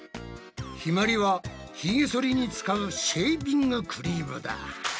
ひまりはひげそりに使うシェービングクリームだ。